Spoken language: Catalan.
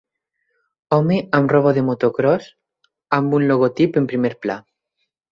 Home amb roba de motocròs, amb un logotip en primer pla.